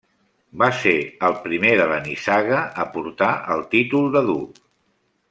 Va ser el primer de la nissaga a portar el títol de duc.